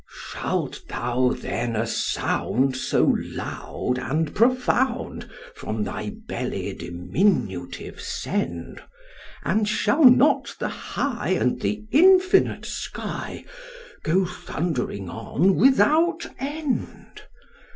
SOCR. Shalt thou then a sound so loud and profound from thy belly diminutive send, And shall not the high and the infinite sky go thundering on without end?